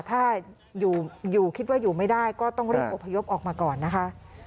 ถ้าอยู่คิดว่าอยู่ไม่ได้ก็ต้องรีบอบพยพออกมาก่อนนะคะ